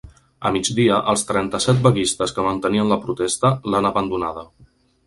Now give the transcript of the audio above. A migdia, els trenta-set vaguistes que mantenien la protesta l’han abandonada.